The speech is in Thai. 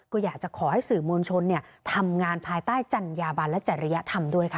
ก็อยากจะขอให้สื่อมวลชนทำงานภายใต้จัญญาบันและจริยธรรมด้วยค่ะ